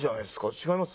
違います？